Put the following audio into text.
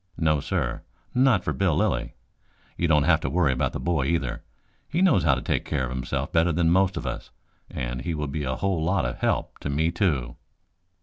No, sir, not for Bill Lilly. You don't have to worry about the boy, either. He knows how to take care of himself better than most of us, and he will be a whole lot of help to me, too."